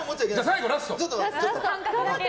最後、ラスト。